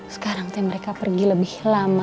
sekarang mereka pergi lebih lama